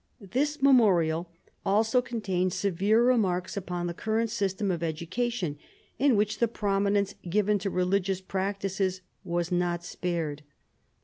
This memorial also contained severe remarks upon the current system of education, in which the prominence given to religious practices was not spared.